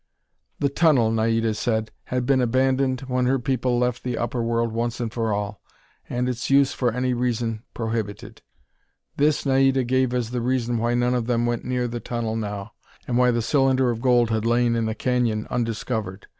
The tunnel, Naida said, had been abandoned when her people left the upper world once and for all, and its use for any reason prohibited. This, Naida gave as the reason why none of them went near the tunnel now, and why the cylinder of gold had lain in the canyon undiscovered.